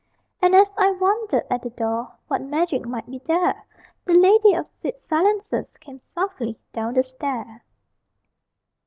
And as I wondered at the door What magic might be there, The Lady of Sweet Silences Came softly down the stair.